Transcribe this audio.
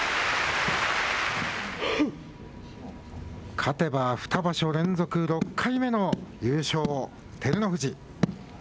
勝てば、二場所連続６回目の優勝、照ノ富士。